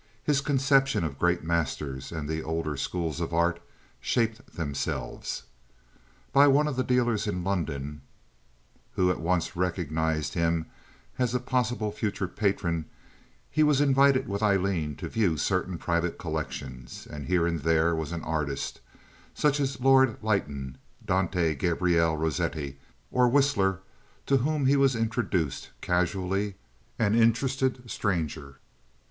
His conception of great masters and the older schools of art shaped themselves. By one of the dealers in London, who at once recognized in him a possible future patron, he was invited with Aileen to view certain private collections, and here and there was an artist, such as Lord Leighton, Dante Gabriel Rossetti, or Whistler, to whom he was introduced casually, an interested stranger.